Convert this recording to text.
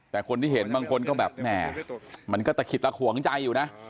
แต่คนที่เห็นบางคนก็แบบแหม่มันก็ตะขิดตะขวงใจอยู่นะ